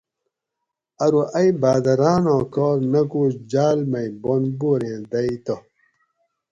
ارو ائ بھاۤدراۤناں کار نہ کو جاۤل مئ بن بوریں دئ تہ